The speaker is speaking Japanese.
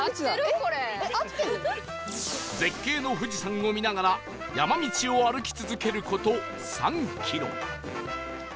絶景の富士山を見ながら山道を歩き続ける事３キロ